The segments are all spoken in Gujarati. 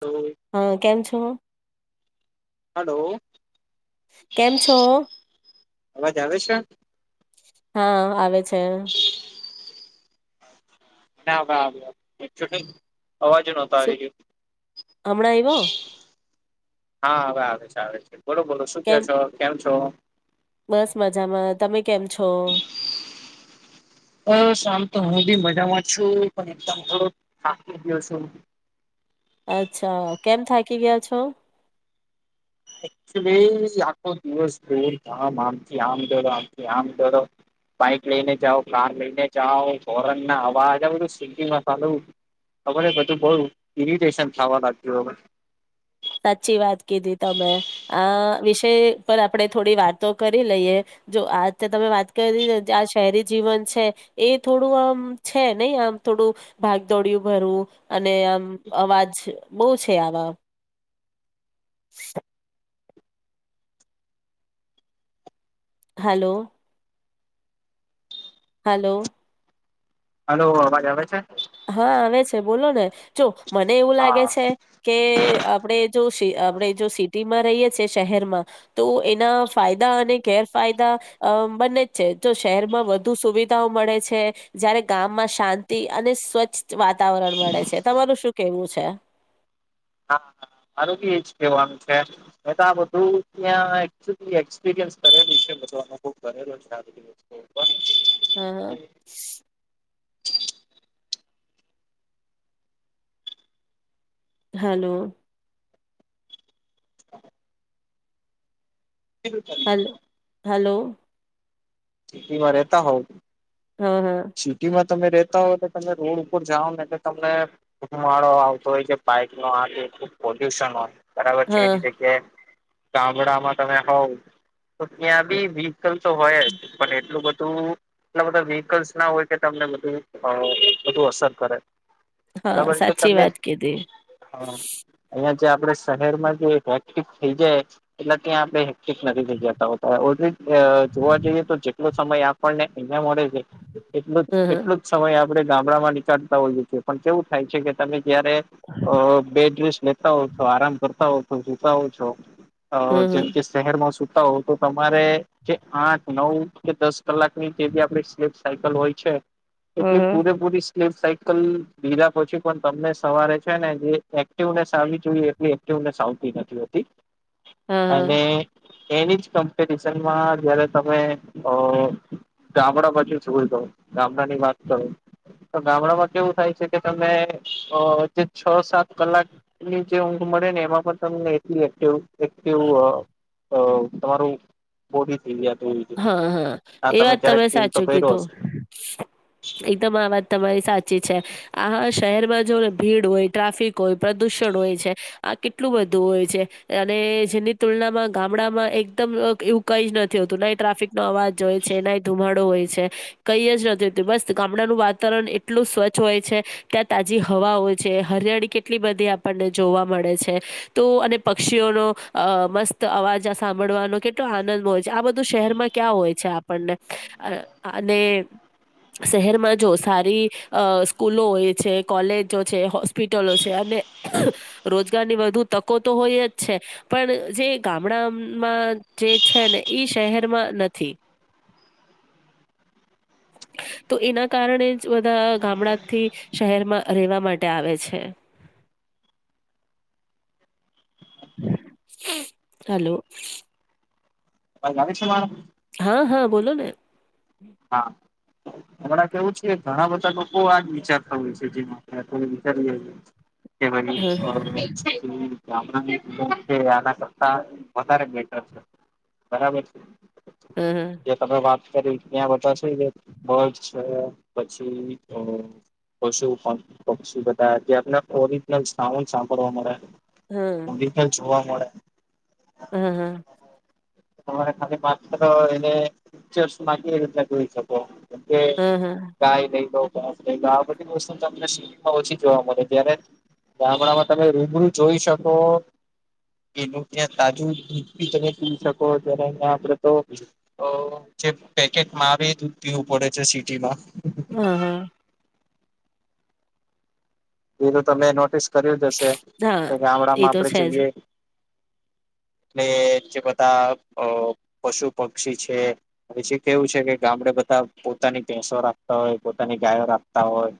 હલો હા કેમ છો. હલો. કેમ છો. અવાજ આવે છે. હા આવે છે. ના વા વ એક છટઈ. અવાજ નહોતો શું આવી રયો. હમણાં આવ્યો? હા હવે આવે છે આવે છે બોલો બોલો શું કયો કેમ છો કેમ છો. બસ મજામાં તમે કેમ. છો? અ શમ તો હું બી મજ જામાં છું પણ એકદમ થોડો થાકી ગયો છુ. અચ્છા કેમ થાકી ગયા છો એક્ચ્યુલી આખો દિવસ દોર ધામ આમથી આમ ડરો આમથી આમ ડરો. બાઈક લઈને જાઓ કાર લઈને જાઓ હોરન ના અવાજ આવ બધ સીટી સાલુ હવરે બધું બઉ ઇરિટેશન થાવા લાગ્યુ હવે. સાચી વાત કીધી તમે આ વિષય પર આપણેે થોડી વાતો કરી લઈએ. જો આત તમે વાત કરીને જે આ શહેરી જીવન છે એ થોડું આમ છે નહી આમ. થોડું ભાગ દોડ્યું ભરું અને આમ અવાજ બહુ છે આવા. હલો. હલો. હલો અવાજ આવે છે. હા આવે છે બોલો ને જો મને એવું હા લાગે છે કે આપડે જો. સી આપણે જો સિટીમાં રહીએ છે શહેરમાં તો એના ફાયદા અને ગેરફાયદા અ બને જ છે જો શહેરમાં વધુ સુવિધાઓ મળે છે જયારે ગામમાં શાંતિ અને સ્વચ્છ વાતાવરણ મળે છે તમારું શું કેવું છે. હા. મારુ બી એજ કેવાનું છે મે તો આ બધું ત્યાં એક્ચ્યુલી એક્સપિરિયન્સ કરેલુ છે. મેં તો કરેલો છે આ બધી વસ્તુઓ ઉપર. હા હા. હલો. હલ્ હલો. સિટીમાં રહેતા હોવ. હા હા. સિટીમાં તમે રેતા હોતો તમે રોડ ઉપર જાઓ ને એટલે તમને માડો આવતો હોય કે બાઈક નો આગે પોલ્યુશન હોય બરાબર છે હા એની જગ્યાએ ગામડામાં તમે હોવ તો ત્યાં બી વ્હીકલ તો હોય જ પણ એટલું બધું એટલા બધા વ્હીકલ્સ ના હોય કે તમને બધું વધુ અસર કરે. હા બરાબર તો સાચી તમે વાત કીધી અહં આપે શહેરમાં જે હેક્ટિક થઈ જાય એટલે ત્યાં આપે હેક્ટિક નથી થઈ જતા હોતા ઓ જોવા જઈએ તો જેટલો સમય આપણને અહયા મળે છે એટલ હ હ એટલોું જ સમય ગામડામાં નીકળતા હોઈએ છીએ પણ કેવું થાય છે કે તમે તય્યારે બે ડ્રેસ લેતા હો છો આરામ કરતા હો છો જોતા હો છો અ હ હ જેમ કે શહેરમાં સુતા હો તો તમારે કે આઠ નવ કે દસ કલાકની જે આપ સ્લીપ સાયકલ હોય છે હ હ હ એટલી પૂરેપૂરી સ્લીપ સાય બીધા પછી પણ તમને સવારે છે ને જે એક્ટિવનેસ આવી જોઈએ એટલી એક્ટિવ નથીતી હા અને એની જ કમ્પેરિશનમાં જયારે તમે અ ગામડા બાજુ ક ગામડા ની વાત કરો તો ગામડામાં કેવું થાય છે કે તમે જે છ સાત કલાકની જે ઊંઘ મળેને એમાં પણ તમનેટ એક્ટિવ તમારું બોડી થઈ જતું હોય છે હા હા આ એ વાત ક્યારેક તમે ફીલ તો સાચું કર્યો હશે કીધું એકદમ આ તમારી સાચી છે આ શહેરમાં જો ભીડ હોય ટ્રાફિક હોય પ્રદુષણ હોય છે આ કેટલું બધું હોય છે, અને જેની તુલનામાં ગામડામાં એકદમ એવું કંઈ જ નથી હોતું ને? ટ્રાફિક નો અવાજ જોય છે ને, ધુમાડો. કંઈ જ નથી, બસ ગામડાનું વાતાવરણ એટલું સ્વચ્છ હોય છે, ત્યાં તાજી હવા છે, હરિયાળી કેટલી બધી આપણને જોવા મળે છે, તો અને પક્ષીઓનો મસ્ત અવાજ સાંભળવાનો કેટલો આનંદ હોય છે, આ બધો શહેરમાં ક્યાં હોય છે આપણને, અને? શહેરમાં જો સારી સ્કૂલો હોય છે, કોલેજો છે, હોસ્પિટલો છે. રોજગારની વધુ તકો તો હોય જ છે, પણ જે ગામડામાં જે છે ને, ઈ શહેરમાં નથી. તો એના કારણે જ બધા ગામડાથી શહેરમાં રહેેવા માટે આવે છે. [unintelligible] હલો. અવાજ આવે છે મારો. હા, હા, બોલો ને. હા. હમણાં કેવું છે, ઘણા બધા લોકો આજ વિચારતા હોય છે, જેમાં વિચારી કેમ? હા ગામડું આના કરતા વધારે બેટર છે, બરાબર છે. હા જે તમે વાત કરી. ત્યાં બધા છે, બગ છે, પછી તો શું ફન, શું? બ આપને ઓરિજનલ સાઉન્ડ સાંભળવા મળે. ઉી પણ જોવા મળે. હ હા. રે ખાલી એને પિકચર્સ માં એરી જોઈ શકો. એ હા કાય નહીં તો. આપ આ બધી વસ્તુ તમને શહેરમાં ઓછી જોવા મળે ત્યારે. ગામડામાં તમે રૂબરૂ જોઈ શકો. એનું ત્યાં તાજું દૂધ બી તમે પી શકો ત્યારે, અં આપડે તો જે પેકેટમાં આવે, એ દૂધ પીવું પડે છે સિટી માં. હા હા એ તો તમે નોટિસ કર્યું જ હશે કે, હા એ ગામડામાં તો આપણે છે જઈએ. [unintelligible] એટલે જે બધા અ પશુ-પક્ષી છે, અને જે કેવું છે કે ગામમાં બધા પોતાની ભેસો રાખતા હોય, પોતાની ગાયો રાખતા હોય,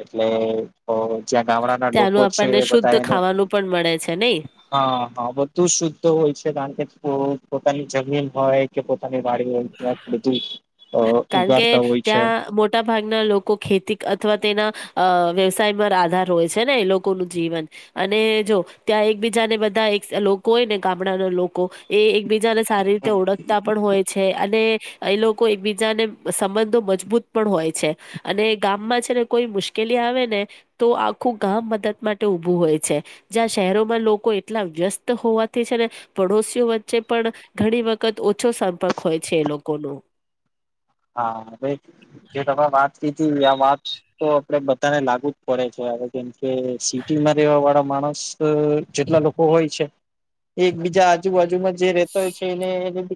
એટલે અ જ્યાં ગામડાના ત્યાંનું લોકો છે, આપણને બધા શુદ્ધ એને ખાવાનું પણ મળે છે નહી હા. હા, બધું શુદ્ધ હોય છે, કારણ કે પોતાની જમીન હોય કે. પોતાની વાડી હોય ત્યાં બધું અ કારણ કે ઉગાડતા હોય છે ત્યાં મોટા ભાગના લોકો ખેતી અથવા તેના અ વ્યવસાયમાં આધાર હોય છે ને, એ લોકોનું જીવન. અને જો ત્યાં એક એક બીજાને બધા એક લોકો હોય ને, ગામડાના લોકો એ એકબીજાને સારી રીતે ઓળખતા પણ હોય. અને એ લોકો એકબીજાને સંબંધો મજબૂત પણ હોય છે, અને ગામમાં છે કોઈ મુશ્કેલી આવે ને, તો આખું ગામ મદદ માટે ઉભું હોય છે, જ્યાં શહેરોમાં લોકો એટલા વ્યસ્ત હોવાથી ને, પડોશી ઓ વચ્ચે પણ ઘણી વખત ઓછો સંપર્ક હોય છે લોકોનું. હા, એ તો વાત. આ વાત તો આપડે બધાને લાગુ જ પડે છે હવે, કેમ કે સિટીમાં રહેેવા વાળા માણસ જેટલા લોકો હોય છે, એકબીજા આજુબાજુમાં જે રહેતા હોય છે એને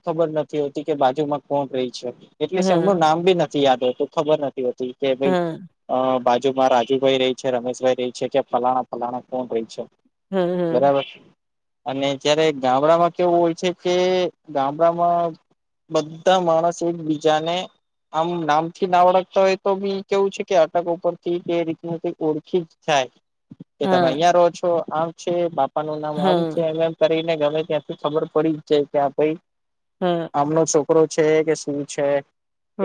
ખબર નથી હોતી કે, બાજુમાં કોણ રહી છે. એટલે હા એમનું નામ બી નથી યાદ હોતું ખબર નથી‌. કે ભાઈ હા, બાજુ રાજુભાઈ રહી છે, રમેશભાઈ રહી છે, કે પલાણા, પલાણા કોણ રહી છે. હમ, હમ. બરાબર અને જ્યારે ગામડામાં કેવું હોય છે કે, ગામડામાં બધા માણસ એકબીજાને આમ નામ થી ના ઓળખતા હોય તો બી કેવું છે કે અટકો ઉપથી એ રીત ઓળખી જાય કે તમે હા, અહિયાં રહો છો આમ છે બાપા નું નામ આમ છે હા, એમ એમ કરી ગમે ત્યાંથી ખબર પડી જ જ કે આ ભાઈ હા. આમનો છોકરો છે કે છે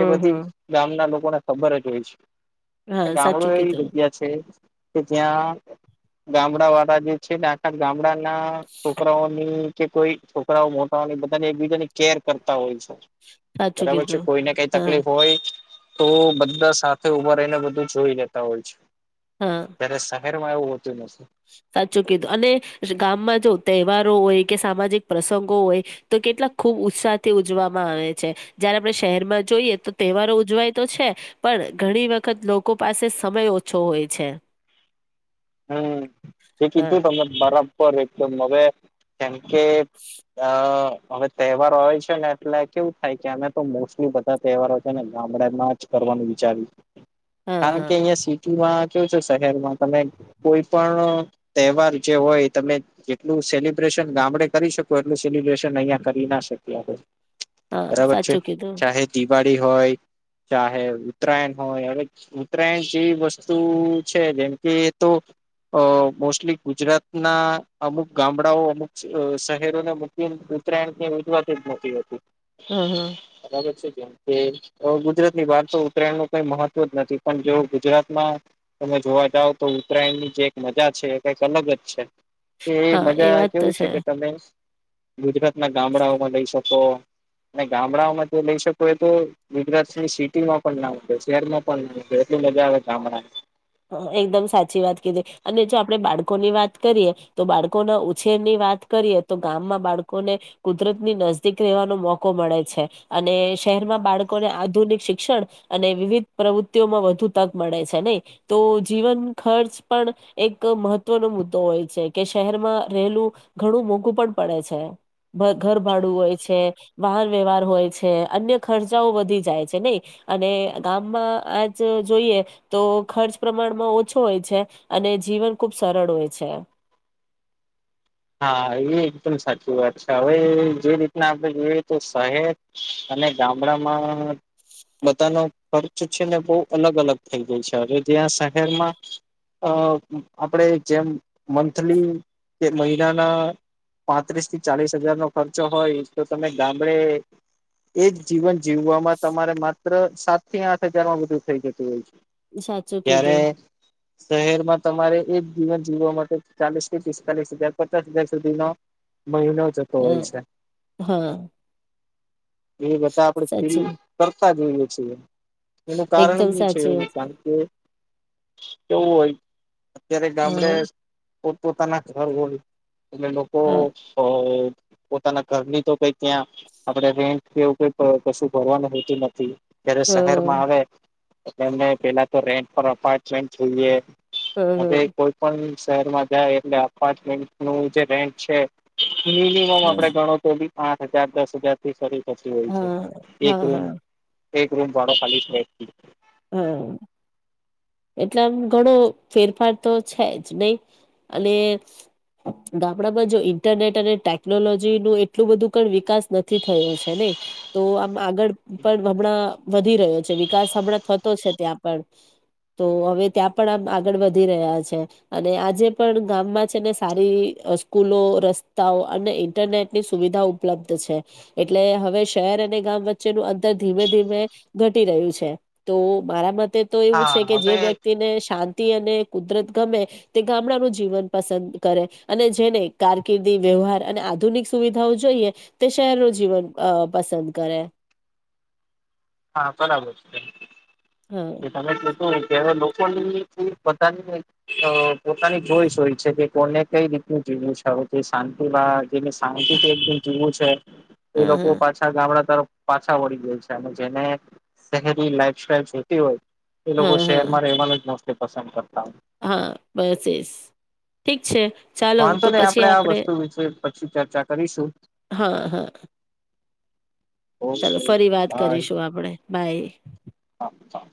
એ બધી હમ. ગામના લોકોને ખબર જ હોય હા, છે સાચું ગામડું એ કીધું, દગયા છે કે ત્યાં ગામડા વાળા જે છે ને આખ ગામડા છોકરાઓની કે કોઈ છોકરાઓ મોટાની બધાને એકબીજાની કેર કરતા હોય છે સાચું બરાબર છે કીધું. કોઈને કઈ હા, તકલીફ હોય તો બધા સાથે ઉભા રહીને બધું જોઈ લેતા હોય છે હા હેરમાં એવું હોતું નથી સાચું કીધું અને ગામમાં જો તહેવારો હોય કે સામાજિક પ્રસંગો હોય તો કેટલાક ખુબ ઉત્સાહથી ઉજવામાં આવે છે જયારે આપણે શહેરમાં જોઈએ તો તહેવારો ઉજવાય તો છે પણ ઘણી વખત લોકો પાસે સમય ઓછો હોય છે હમ એ કીધું હા, તને બરાબર એકદમ હવે કે આ હવે તહેવારો હોય છે ને એટલે કેવું થાય કે અમે તો મોસ્ટલી બધા તહેવારો છે ને ગામડામાં જ કર હા, કારણ હા, કે અ સિટીમાં કે છ શહેરમાં તમે કોઈ પણ તહેવાર જે હોય તમે જેટલું સેલિબ્રેશન ગામડે કરી શકો એટલું સેલબ્રન અહં કરી ના શકી હા. બરાબર છે સાચું કીધું. ચાહે દિવાળી હોય ચાહે ઉત્તરાયણ હોય હવે ઉત્તરાયણ જેવી વસ્તુ છે જેમ કે તો અ મોસ્ટલી ગુજરાતના અમુક ગામડાઓ અમુક શહેરોને મુખ્ય ઉત્તરાયણ ની રજવાત જ મળતી હતી હમ હમ કે ગુજરાત ની વા તો ઉત્તરાયણ નું કઈ મહત્વ જ નથી પણ જો ગુજરાતમાં તમે જોવા જાવ તો ઉત્તરાયણ ની જે એક મજા છે કઈક અલગ જ છે કે એ હા. મજા વાત તો કેવું છે કે તમે ગુજરાત ના ગામડાઓમાં લઈ શકો અને ગામડાઓમાં જો લઈ શકો એ તો ગુજરાતની સિટીમાં પણ ના શહેરમાં પણ ના એટલી મજા આવે ગામણાં હ એકદમ સાચી વાત કીધી અને જો આપડે બાળ ની વાત કરીએ તો બાળકો ના ઉછેર ની વાત કરીએ તો ગામમાં બાળકોને કુદરત ની નજદીક રહેવાનો મોકો મળે છે અને શહેરમાં બાળકોને આધુનિક શિક્ષણ અને વિવિધ પ્રવૃત્તિઓમાં વધુ તક મળે છે નહી તો જીવન ખર્ચ પણ એક મહત્વનો મુદ્દો હોય છે કે શહેરમાં રહેલું ઘણું મોંઘું પણ પડે છે ઘરભાડું હોય છે વાહન વ્યવહાર હોય છે અન્ય ખર્ચાઓ વધી જાય છે નહી અને ગામમાં આજ જોઈએ તો ખર્ચ પ્રમાણમાં ઓછો હોય છે અને જીવન ખૂબ સરળ હોય છે હા એ એકદમ સાચી વાત છે હવે જે રીતના આપડણે જોઈએ તો શહેર અને ગામડામાં બધાનો ખર્ચ છે ને બહ અલગ અલગ થઈ ગાય છે હવે જ્યાં શહેરમાં અ આપડે જેમ મંથલી મહિનાના પાંત્રીસ થી ચાલીસ હજાર નો ખર્ચો હોય તો તમે ગામડે એજ જીવન જીવવામાં તમારે માત્ર સાત થી આઠ હજારમાં વધુ થઈ જતું હોય છે સાચું કેધો ત્યારે શહેરમાં તમારે એક જીવન જીવવા માટે ચાલીસ કેટ લીસ હજાર પચાસ હજાર સુધીનો મહિનો જતો અ હોય છે હા એ બધા આપડણે ફીલ સાચી કરતા જોઈએ છીએ એનું કારણ એકદમ બી છે સાચી વાત કાણ કીધી. કે કેવું હોય અત્યારે ગામડે હા પોતપોતાના ઘર હોવે એટલે લોકો હા અહ પોતાના ઘરની તો કઈ ત્યાં આપણે રેન્ટ કે એવું ક કઈ કશું ભરવાનું હોતું ન થી જ્યારે હમ શહેરમાં એમને પેલા તો રેંટ પર અપારમેન્ટ જોઈએ. હવે હમ કોઈ પણ શહેરમાં જાય એટલે અપાર્ટમેન્ટ નું જે રેન્ટ છે મિનિમમ હમ આપડે ગણો તો ભી પાંચ હજાર, દસ હજારથી શરૂ થતી હો છે. હા એક હા રૂમ, હા એક રૂમ ભાડો ખાલી [inaudible] હમ્મ. એટલે એમ થોડો ફેરફાર તો છે જ નહી અને ગામડામાં જો ઈન્ટરનેટ અને ટેકનોલોજી નું એટલું બધું પણ વિકાસ નથી થયો છે ને? એ તો આમ આગળ પણ હમણાં વધી રહ્યો છે વિકાસ હમણાં થતો છે ત્યાં પણ તો હવે ત્યાં પણ આમ આગળ વધી રહ્યા છે અને આજે પણ ગામમાં છે ને સારી અહ સ્કૂલો રસ્તાઓ અને ઈન્ટરનેટની સુવિધા ઉપલબ્ધ છે. એટલે હવે શહેર અને ગામ વચ્ચેનું અંતર ધીમે ધીમે ઘટી રહ્યું છે તો મારા મતે તો એવું હા છે કે જે હવે વ્યક્તિને શાં તી અને કુદરત ગમે તે ગામડાનું જીવન પસંદ કરે અને જેને કારકિર્દી વ વ્યહાર અને આધુનિક સુવિધાઓ જોઈએ તે શહેર નું જીવન અહ પસંદ કરે. [inaudible] હા, બરાબર હા છે તમે કે તેમજ લો તોહી ત્યારે લોકોની ઈ બધાની આહ પોતાની જોઈશ હોય છે કે કોને કઈ રીતનું જીવ [inaudible] જે શાંતિ વા જેને શાંતિ થી એકદમ જીવું છે એ હા લોકો હા પાછા ગામડા તરફ પાછા વળી ગયેલ છે અને જેને શહેરી લાઈફ સાઈલ જોતી હોય એ લોકો હા હા શહેરમાં રહેવાનું જ મોસ્લી પસંદ કરતા હો. હા, બેસીસ ઠીક છે. ચાલો તો વાંધો નઈ પછી આપડે આ આપણે વસ્તુ વિશે પછી ચર્ચા કરીશું. હા, હા. ચાલો ઓકે ફરી વાત કરીશું આપડે, બાય. હા, ચાલ.